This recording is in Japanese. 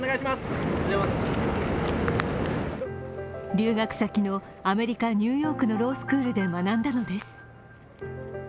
留学先のアメリカ・ニューヨークのロースクールで学んだのです。